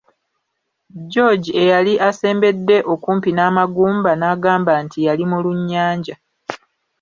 George eyali asembedde okumpi n'amagumba n'agamba nti yali mulunnyanja.